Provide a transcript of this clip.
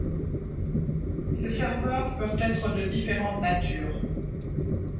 Ces serveurs peuvent être de différentes natures.